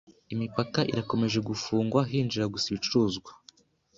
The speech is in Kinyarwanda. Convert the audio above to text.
Imipaka irakomeza gufungwa hinjira gusa ibicuruzwa